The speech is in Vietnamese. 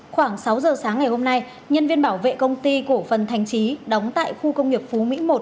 khoảng sáu giờ sáng ngày hôm nay nhân viên bảo vệ công ty cổ phần thành trí đóng tại khu công nghiệp phú mỹ một